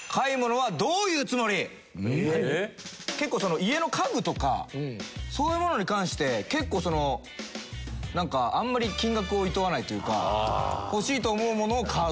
結構家の家具とかそういうものに関して結構なんかあんまり金額をいとわないというか欲しいと思うものを買う。